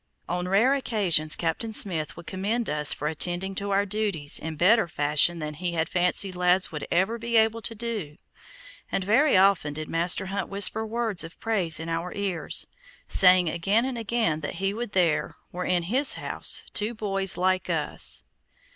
On rare occasions Captain Smith would commend us for attending to our duties in better fashion than he had fancied lads would ever be able to do, and very often did Master Hunt whisper words of praise in our ears, saying again and again that he would there were in his house two boys like us.